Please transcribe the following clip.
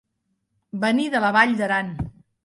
Venir de la Vall d'Aran.